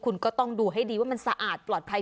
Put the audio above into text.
คุณก็ต้องดูให้ดีว่ามันสะอาดปลอดภัย